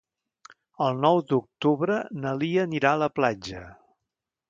El nou d'octubre na Lia anirà a la platja.